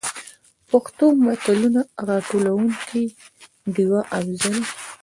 پښتو متلونو: راټولونکې ډيـوه افـضـل.